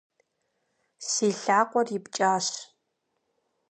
Си лъакъуэр ипкӏащ.